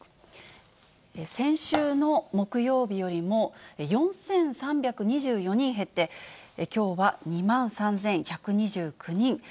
先週の木曜日よりも４３２４人減って、きょうは２万３１２９人。